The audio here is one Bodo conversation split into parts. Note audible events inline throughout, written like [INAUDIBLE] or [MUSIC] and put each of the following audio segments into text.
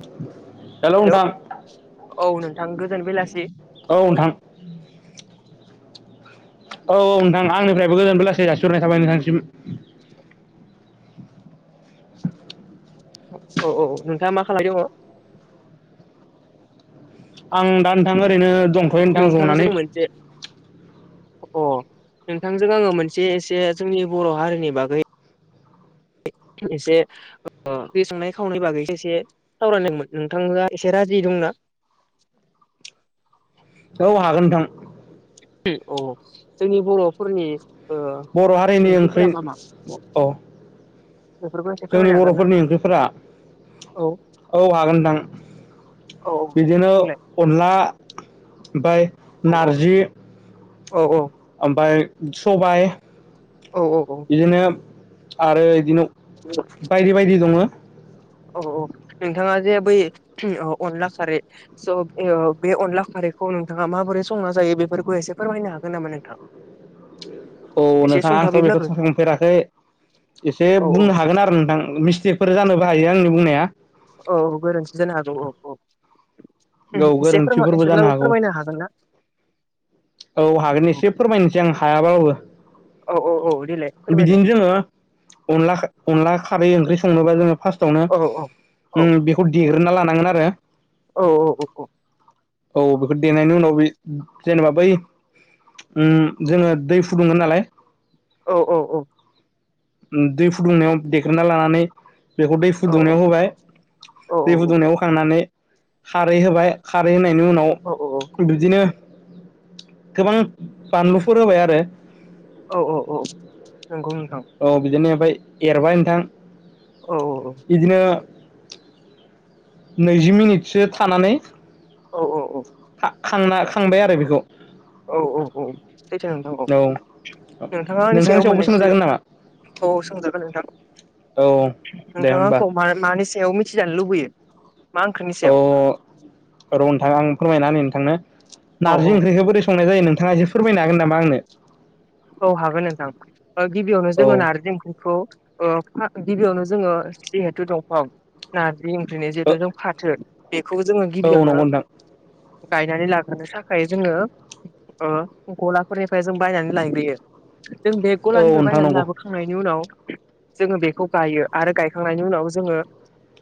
[INAUDIBLE] हेल' हेलौ नोंथां औ नोंथां गोजोन बेलासि औ नोंथां। औ औ नोंथां आंनिफ्रायबो गोजोनबो लासै जासिहरनाय थाबाय नोंथांसिम। [INAUDIBLE] [INAUDIBLE] औ औ नोंथाङा मा खालामबाय दङ। आं दा नोंथां ओरैनो दंथ'यो नोंथां नोंथांजों जनानै। मोनसे अ नोंथांजों आङो मोनसे एसे जोंनि बर' हारिनि बागै एसे गो सांनाय खावनाय बागैसो एसे सावरायदोंमोन नोंथाङा एसे राजि दंना। औ हागोन नोंथां। औ जोंनि बर'फोरनि ओ बर' हारिनि ओंख्रि ओंख्रिफोरा मा मा औ। बेफोरखौ एसे जोंनि फोरमायनो हागोन ना बर'फोरनि ओंख्रिफोरा औ औ हागोनदां। औ बिदिनो बुंलाय अनला ओमाय नारजि अ औ। ओमफाय सबाइ औ औ औ। आरो बिदिनो बायदि बायदि दङ। फै थि अ अनला खारै स' एअ बे अनला खारैखौ नोंथाङा माबोरै संना जायो। फोरखौ एसे फोरमायनो हागोन नामा नोंथां। [INAUDIBLE] औ एसे नोंथां आंथ' बेखौ सुंथाबैब्लाबो [UNINTELLIGIBLE] फेराखै एसे औ बुंनो हागोन आरो नोंथां मिस्टेकफोर जानोबो हायो आंनि बुंनाया। औ गोरोन्थि जानो हागौ औ-औ औ एसे फोर गोरोन्थिफोरबो जानो एसेब्लाबो हागौ फोरमायनो हागोन ना? औ हागोन औ एसे फोरमायनोसै आं हायाबाबो औ औ देलाय फोरमायलाय बिदिनो जोङो अनला खा अनला खा खारै ओंख्रि संनोबा जोङो फार्स्टआवनो औ उम बेखौ देग्रोना लानांगोन आरो। औ-औ-औ-औ औ बेखौ देनायनि उनाव बे जेनेबा बै उम जोङो दै फुदुंगोन नालाय। औ-औ-औ-औ उ दै फुदुंनायाव देख्रेना लानानै बेखौ दै फुदुंनायाव होबाय औ दै फुदुंनायाव खांनानै खारै होबाय खारै होनायनि उनाव औ बिदिनो गोबां बानलुफोर होबाय आरो। औ-औ-औ नोंगौ नोंथां। फाय एरबाय नोंथां औ-औ-औ बिदिनो नैजि मिनिटसो थानानै औ-औ-औ खांना खांबाय आरो बेखौ औ-औ-औ सैथो नोंथां औ नोंथाङा आंनि नोंथांनि सायाव सायावबो मोननैसो सोंजागोन नामा औ सोंजागोन नोंथां औ दे नोंथाङा होमबा आंखौ मा-मानि सायाव मि- थि जानो लुबैयो। मा ओंख्रिनि अ सायाव र' नोंथां आं फोरमायना होनि नोंथांनो। औ औ नारजि ओंख्रिखौ बोरै संनाय जायो नोंथाङा एसे फोरमायनो हागोन नामा आंनो? औ हागोन नोंथां ओ गिबियावनो औ जोंङो नार्जि ओंख्रिखौ ओ फा-गिबियावनो जोङो जिहेथु दंफां ना- [UNINTELLIGIBLE] ओंख्रिनि जिहेथु जों फाथो बेखौ जोङो औ गिबियावनो नंगौ नोंथां गायनानै लाग्रोनो थाखाय जोङो ओ गलाफोरनिफ्राय जों बायनानै लायो। यो जों बे औ गलानिफ्राय नोंथां बायनानै नंगौ लाबोखांनायनि उनाव जोङो बेखौ गायो आरो गायखांनायनि उनाव जोङो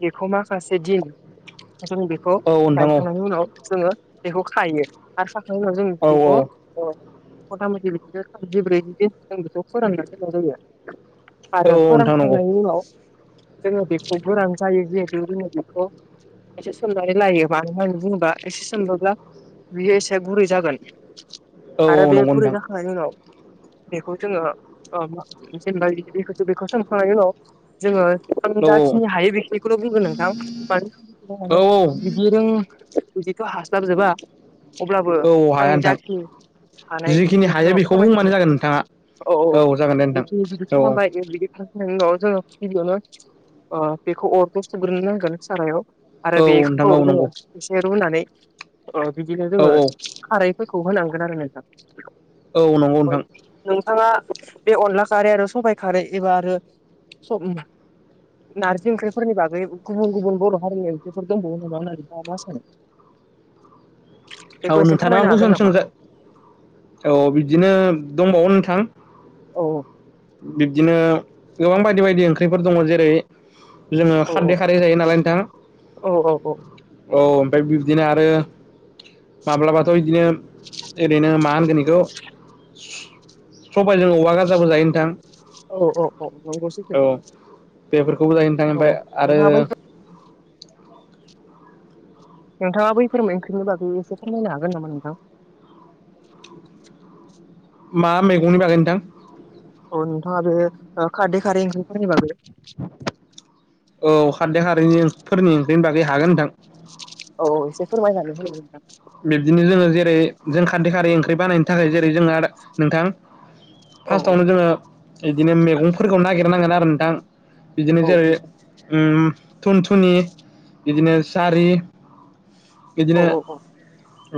बेखौ माखासे दिन जों बेखौ औ नोंथां औ गायखांनायनि उनाव जोङो बेखौ खायो आरो खाखांनायनि उनाव जों औ बेखौ ओ मता मति [UNINTELLIGIBLE] जिब्रै दिन जों बेखौ फोराननानै दोननाय जायो। औ आरो नोंथां नंगौ फोरानखांनायनि उनाव जोङो बेखौ गोरान जायो जिहेथु जोङो बेखौ एसे सोमनानै लायो मानो होननानै बुङोबा एसे सोमोब्ला बियो एसे गुरै जागोन औ आरो औ बे नंगौ गुरै नोंथां जाखांनायनि उनाव बेखौ जोङो ओ जेनेबा [UNINTELLIGIBLE] बेखौ सोमखांनायनि उनाव जोङो औ जाखिनि हायो बेखिनिखौल' बुंगोन नोंथां मानो औ औ [INAUDIBLE] बिदि [UNINTELLIGIBLE] बिदिथ' हास्लाबजोबा अब्लाबो औ हाया आंनि नोंथां जाखिनि हानाय जिखिनि हायो बेखौ [UNINTELLIGIBLE] औ-औ बुंबानो जागोन नोंथाङा औ [UNINTELLIGIBLE] जागोन दे नोंथां औ [UNINTELLIGIBLE] नायनि उनाव जोङो गिबियावनो ओ बेखौ अरखौ सुग्रो नांगोन सारायाव आरो औ नोंथां बेखौ औ जोङो नंगौ एसे रुनानै ओ बिदिनो औ जोङो औ खारैफोरखौ होनांगोन आरो नोंथां। औ नंगौ नोंथां। [INAUDIBLE] बे अनला खारै आरो सबाइ खारै एबा आरो सब- नारजि ओंख्रिफोरनि बागै गुबुन गुबुन बर' हारिनि ओंख्रिफोर दंबावो नामा होननानै नोंथाङा मा सानो [UNINTELLIGIBLE] औ बेखौ एसे नोंथां फोरमायनो आंखौ हागोन नामा [INAUDIBLE] औ बिदिनो दंबावो नोंथां औ औ बिब्दिनो गोबां बायदि बायदि ओंख्रिफोर दङ जेरै जोङो औ खारदै खारदै जायो नालाय नोंथां औ औ औ ओ बिब्दिनो आरो माब्लाबाथ' बिदिनो ओरैनो मा होनगोन बेखौ सबायजों औवा गाजाबो जायो। नोंथां औ औ औ नंगौ सैथो औ बेफोरखौबो जायो नोंथां औ ओमफाय आरो नोंथाङा बै नोंथाङा बैफोर ओंख्रिनि बागै एसे फोरमायनो हागोन नामा नोंथां मा मैगंनि बागै नोंथां औ नोंथाङा बे खारदै खारै ओंख्रिफोरनि बागै औ खारदै खारैनि फोरनि ओंख्रिनि बागै हागोन नोंथां औ औ एसे फोरमायनानै होदो नोंथां बिब्दिनो जोङो जेरै जों खारदै खारै ओंख्रि बानायनो थाखाय जेरै जोंहा नोंथां औ फार्स्टआवनो जोङो बिदिनो मेगंफोरखौ नागिरनांगोन आरो नोंथां। बिदिनो औ जेरै नोंथां उम थुनथुनि बिदिनो जारि औ बिदिनो औ औ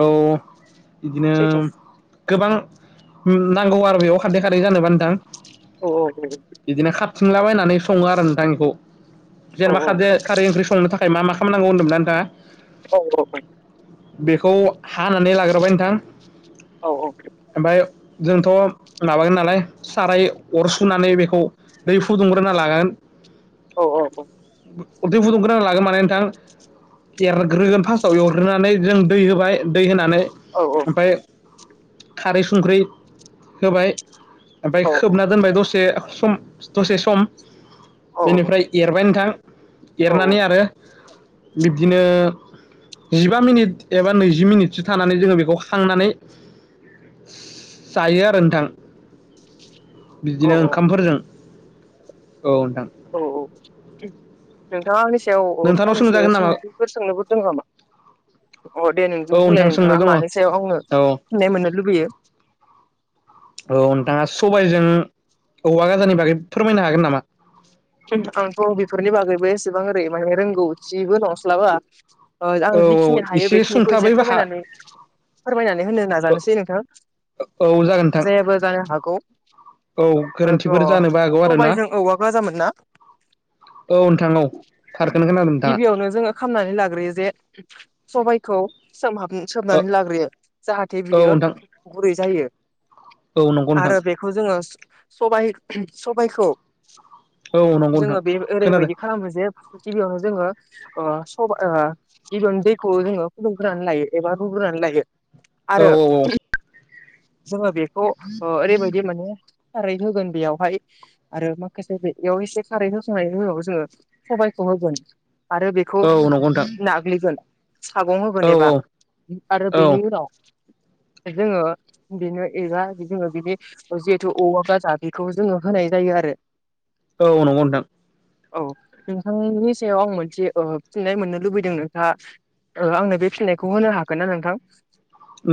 औ बिदिनो सैथो गोबां नांगौ आरो बेयाव खारदै खारै जानोबा नोंथां औ औ औ‌ औ सोंलाबायनानै सङो आरो नोंथां इखौ औ जेनेबा खारदै खारै ओंख्रि संनो थाखाय मा माखासे खालामनांगौ होनदोंमोना नोंथाङा औ औ बेखौ हानानै लाग्रोबाय नोंथां औ औ ओमफ्राय जोंथ माबागोन नालाय साराय अरसुनानै बेखौ दै फुदुंग्रोना लागोन औ औ औ उरदै फुदुंग्रोना लागोन माने नोंथां एरग्रोगोन फार्स्टआव एरग्रोनानै जों दै होबाय दै होनानै ओमफ्राय खारै संख्रि होबाय ओमफ्राय खोबना दोनबाय दसे सम दसे सम बेनिफ्राय एरबाय नोंथां औ एरनानै आरो बिब्दिनो जिबा मिनिट एबा नैजि मिनिटसो थानानै जोङो बेखौ खांनानै जायो आरो नोंथां औ बिदिनो ओंखामफोरजों औ नोंथां औ औ नोंथाङा आंनि सि याव नोंथांनाव फंनैसो सोंजागोन नामा सोंथिफोर सोंनोबो दोङो नामा अ दे नों औ होनलाय नोंथां सोंनो नोंथाङा दङ मानि सायाव आङो औ फिनाय मोननो लुुबैयो औ नोंथाङा सबायजों औवा गाजानि बागै फोरमायनो हागोन नामा आंथ बेफोरनि बागैबो एसेबां ओरै माने रोंगौथिबो नंस्लाबा औ आं जिखिनि औ हायो एसे बेखिनिखौ एसे सुंथाबैबो हा फोरमायनानै फोरमायनानै होनो नाजानोसै नोंथां औ जागोन नोंथां जायाबो जानो हागौ। औ थ' गोरोन्थिफोर जानोबो हागौ आरो ना सबायजों औवा गाजामोन ना औ नोंथां औ थारखोनो खोनादो नोंथाङा गिबियावनो जोङो खामनानै लाग्रोयो जे सबायखौ सोंमहाब सोमनानै लाग्रोयो जाहाथे औ बियो नोंथां गुरै जायो। औ नंगौ नोंथां आरो बेखौ जोङो सबाय सबायखौ औ नंगौ नोंथां जोङो बे खोनादों ओरैबायदि खालामो जे गिबियावनो जोङो ओ सब ओ-जिदुनि दैखौ जोङो फुदुंग्रोनानै लायो एबा रुग्रोनानै लायो। औ आरो औ जोङो बेखौ ओरैबायदि माने। खारै होगोन बेयावहाय आरो माखासे बेयाव एसे खारै होसांनायाव जोङो सबाइखौ। होगोन आरो बेखौ औ नंगौ नोंथां नाग्लिगोन। सागं होगोन औ एबा औ आरो औ बेनि उनाव ओमफाय जोंङो। बिनो एबा जोङो बिनि जिहेतु औवा गाजा बेखौ जोङो होनाय जायो आरो। औ नंगौ नोंथां। औ नोंथांनिनि सायाव आं मोनसे ओ फिननाय मोननो लुबैदों नोंथांङा। आंनो बे फिनायखौ होनो हागोन ना नोंथां?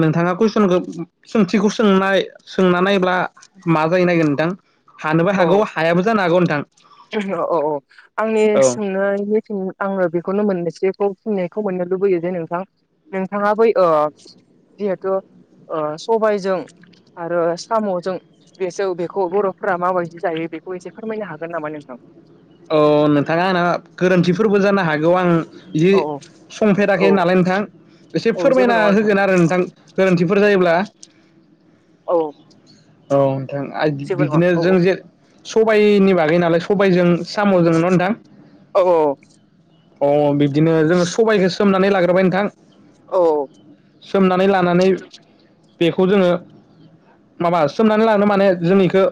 नोंथाङा कुइसनखौ सोंथिखौ सोंनाय सोंना नायब्ला मा जायो नायगोन नोंथां। हानोबो औ हागौ हायाबो जानो हागौ। नोंथां औ औ औ आंनि औ सोंनायनि फिन आंनो बेखौनो मोननैसोखौ। फिननायखौ मोननो लुबैयो जे नोंथां नोंथाङा बै ओ। जिहेथु सबायजों आरो सामजों बेसौ बेखौ बर फोरा मााबायदि जायो बेखौ एसे फोरमायनो हागोन नामा नोंथां? औ नोंथा आंना गोरोन्थिफोरबो जानो हागौ आं। बिदि औ औ संफेराखै औ नालाय नोंथां एसे औ जेबो फोरमायना नङा नोंथां होगोन आरो नोंथां गोरोन्थिफोर जायोब्ला। औ औ नोंथां [UNINTELLIGIBLE] जेबो नङा बिदिनो औ जों जे सबायनि बागै नालाय सबायजों। साम जों‌ न नोंथां। औ औ अ बिब्दिनो जोङो सबायाइखौ सोमनानै लाग्रोबाय नोंथां। औ सोमनानै लानानै। बेखौ जोङो माबा सोमनानै लानो माने जों एखौ।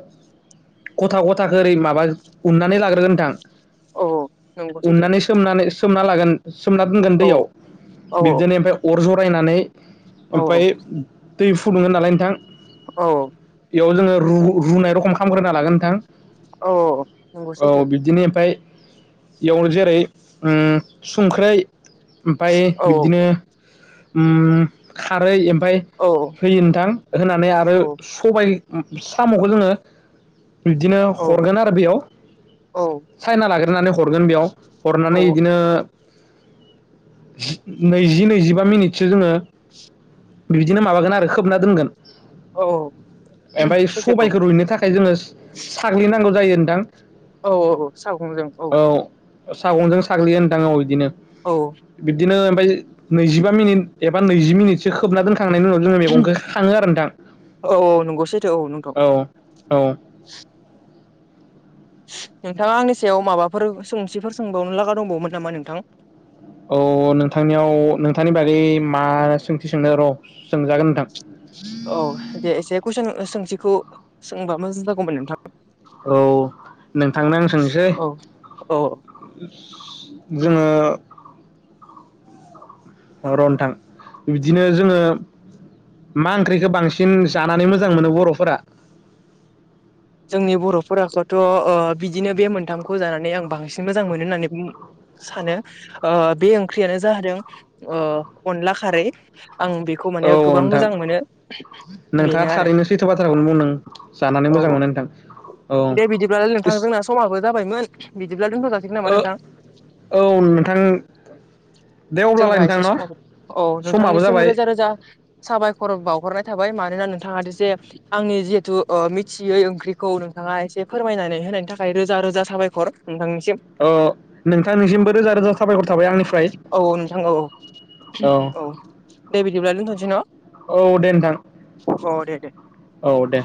खथा खथाखौ ओरै माबा उननानै लाग ग्रो नोंथां औ औ नंगौ सैथो उननानै सोमनानै सोमना लागोन। सोमना दोनगोन औ दैयाव औ बिब्दिनो ओमफफ्राय अर जरायनानै औ ओमफ्राय। दै फुदुंगमोन नालाय नोंथां। औ बेयाव जोङो रु रुनाय रखम खामग्रोना लागोन नोंथां। औ नंगौ औ सैथो बिदिब्लाथाय बेयाव जेरै उम संख्रै। ओमफाय औ बिब्दिनो उम खारै। ओमफ्राय औ औ होयो नोंथां होनानै आरो औ सबाय उ सामखौ जोङो। बिदिनो हरगोन आरो बेयाव। चाइना लाग्रोनानै हरगोन बेयाव औ हरनानै बिदिनो। जि नैजि नैजिबा मिनिटसो जोङो। बिदिनो माबागोन आरो खोबना दोनगोन। औ ओमफाय सैथो औ सबायखौ रुइनो थाखाय जोङो साग्लिनांगौ जायो नोंथां। औ औ औ सागंजों औ सागंजों साग्लियो ओनथां औ बिदिनो औ बिबदिनो। [UNINTELLIGIBLE] नैजिबा मिनिट एबा नैजि मिनिटसो खोबना दोन खांनायनि उनाव जोङो मेगंखौ खाङो आरो नोंथां औ औ नंगौ सैथो नोंथां औ। औ नोंथाङा आंनि सायाव माबाफोर सोंथिफोर सोंबावनो लागा दंबावोमोन नामा नोंथां? अ नोंथांनियाव नोंथांनि बागै। मा सोंथि सोंनो र सोंजागोन नोंथां। औ दे एसे कुइसन सोंथिखौ सोंबा मोजां जागौमोन नोंथां। औ नोंथांनो आं सोंनोसै। औ औ जोङो र र नोंथां बिदिनो जोङो मा ओंख्रिखौ बांसिन जानानै मोजां मोनो बर'फोरा जोंनि बर'फोराखौथ' अ बिदिनो बे मोनथामखौ जानानै आं बांसिन मोजां मोनो होननानै बुं सानो ओ बे ओंख्रियानो जादों ओ अनला खारै आं बेखौ औ माने गोबां नोंथां मोजां मोनो नोंथाङा बेनो आरो थारैनो सैथो बाथ्राखौनो बुंदों जानानै औ मोजां औ मोनो नोंथां औ दे बिदिब्लालाय नोंथां इस जोंना समाबो जाबायमोन बिदिब्ला दोनथ'जा ओ औ नोंथां दे। अब्लालाय जोंना नोंथां एसे न' समाबो औ समाबो नोंथांनिसिम जाबाय रोजा रोजा साबायखर बावहरनाय थाबाय मा नोना नोंथाङा जे आंनि जिहेथु अ मिथियै ओं ख्रिखौ नोंथाङा एसे फोरमायनानै होनायनि थाखाय रोजा रोजा साबायखर। नोंथांनिसिम अ नोंथांनिसिमबो रोजा रोजा साबायखर थाबाय। आंनिफ्राय औ नोंथां औ औ। औ दे बिदिब्ला दोनथ'सै न'? [INAUDIBLE] नोंथां अ दे दे औ दे।